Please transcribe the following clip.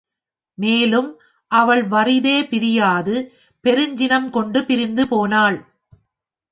மேலும், அவள் வறிதே பிரியாது, பெருஞ்சினம் கொண்டு பிரிந்து போனாள்.